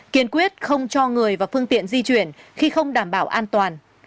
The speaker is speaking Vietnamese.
kiên quyết không cho người và phương tiện di chuyển khi không đảm bảo an toàn